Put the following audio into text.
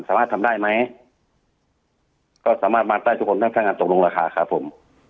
สามารถทำได้ไหมก็สามารถมาได้ทุกคนทั้งถ้างานตกลงราคาครับผม